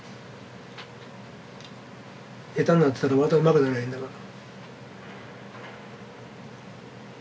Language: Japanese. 下手になってたらまたうまくなりゃいいんだから。